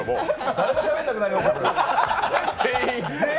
誰もしゃべらなくなりますよ。